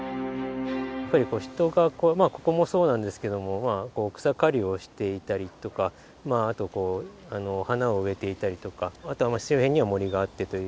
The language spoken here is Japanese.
やっぱり人がここもそうなんですけども草刈りをしていたりとかあと花を植えていたりとかあとは周辺には森があってというような。